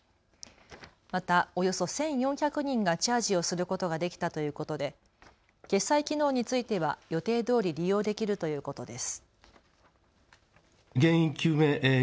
またおよそ１４００人がチャージをすることができたということで決済機能については予定どおり利用できるということです。